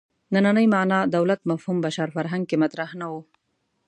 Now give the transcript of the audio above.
نننۍ معنا دولت مفهوم بشر فرهنګ کې مطرح نه و.